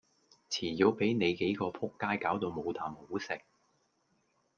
遲早比你幾個仆街攪到冇啖好食